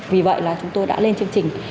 vì vậy là chúng tôi đã lên chương trình